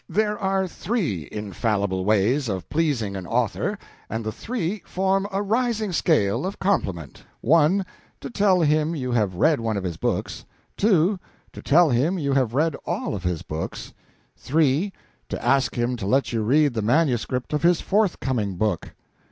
There are three infallible ways of pleasing an author, and the three form a rising scale of compliment: 1, to tell him you have read one of his books; 2, to tell him you have read all of his books; 3, to ask him to let you read the manuscript of his forthcoming book.